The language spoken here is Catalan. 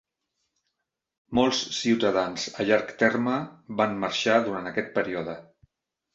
Molts ciutadans a llarg terme van marxar durant aquest període.